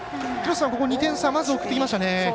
ここ２点差、まず送ってきました。